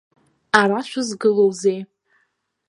Ара шәызгылоузеи?